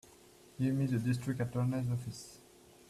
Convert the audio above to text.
Give me the District Attorney's office.